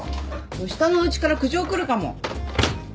下のうちから苦情来るかも。